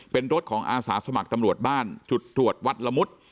เป็นรถของอาสาสมัครตำรวจบ้านจุดตรวจวัดละมุด